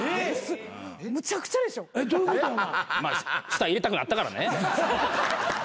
舌入れたくなったからね。